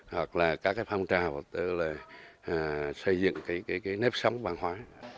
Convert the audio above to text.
hoặc là các phong trào xây dựng nếp sống bản hóa